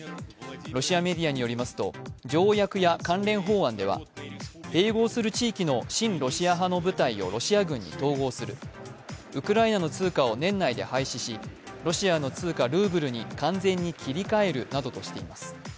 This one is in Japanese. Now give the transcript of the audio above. ロシアメディアによりますと条約や関連法案では併合する地域の親ロシア派の舞台をロシア軍に統合する、ウクライナの通貨を年内で廃止し、ロシアの通貨・ルーブルに完全に切り替えるなどとしています。